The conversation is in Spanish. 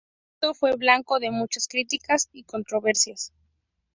El proyecto fue blanco de muchas críticas y controversias.